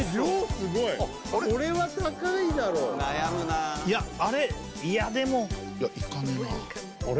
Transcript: すごいこれは高いだろ悩むないやあれいやでもいやいかねえなあれ？